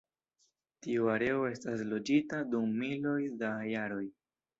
Tiu areo estas loĝita dum miloj da jaroj.